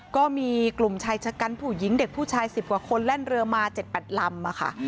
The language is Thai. ก็มีกลุ่มชายชะกันผู้หญิงเด็กผู้ชาย๑๐กว่าคนแล่นเรือมา๗๘ลำค่ะ